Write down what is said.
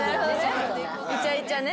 いちゃいちゃね。